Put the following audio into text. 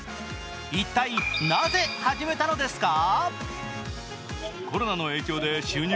一体なぜ始めたのですか。